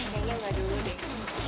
kayaknya gak dulu deh